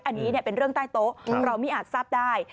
อันนี้เป็นเรื่องใต้โต๊ะเราไม่อาจทราบได้